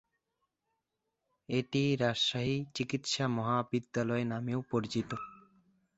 এটি রাজশাহী চিকিৎসা মহাবিদ্যালয় নামেও পরিচিত।